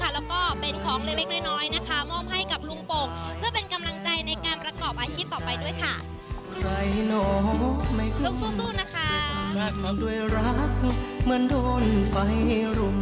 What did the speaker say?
เพื่อเป็นกำลังใจในการประกอบอาชีพต่อไปด้วยค่ะ